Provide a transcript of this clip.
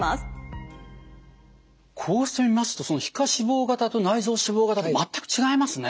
こうして見ますと皮下脂肪型と内臓脂肪型で全く違いますね。